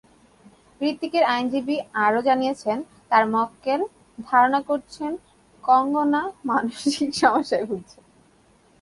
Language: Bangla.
হৃতিকের আইনজীবী আরও জানিয়েছেন, তাঁর মক্কেল ধারণা করছেন, কঙ্গনা মানসিক সমস্যায় ভুগছেন।